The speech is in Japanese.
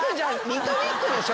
リトミックでしょ？